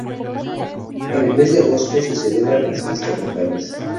En el mes de agosto se celebraran las fiestas locales.